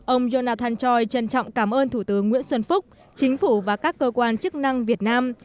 ông jonathan choi trân trọng cảm ơn thủ tướng nguyễn xuân phúc chính phủ và các cơ quan chức năng việt nam